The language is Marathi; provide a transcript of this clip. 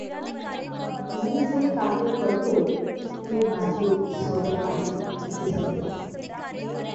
मी जे काव्य करतो ते माझे स्वगत आहे, असे समजा.